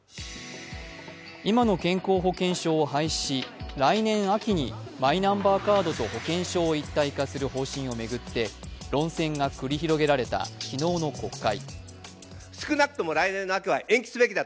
今の健康保険証を廃止し来年秋にマイナンバーカードと保険証を一体化する方針を巡って論戦が繰り広げられた昨日の国会。